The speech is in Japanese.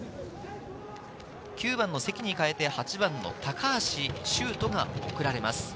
９番の積に代えて、８番の高橋修斗が送られます。